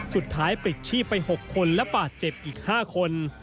สุดท้ายปลิกชีพไป๖คนและปาดเจ็บอีก๕คน